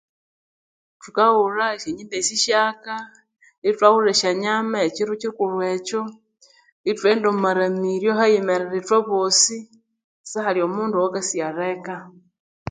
Tukaghulha esyonjimba syapyaka enyama etwaghenda omwamaramiryo itwebosi sihalhi omundu